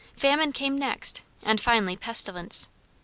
Famine came next, and finally pestilence.